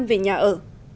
về nhà ở